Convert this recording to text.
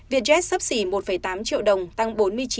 việt jet sắp xỉ một tám triệu đồng tăng bốn mươi chín sáu